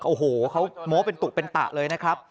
โอ้โหเขาโม้เป็นตุเป็นตะเลยนะครับ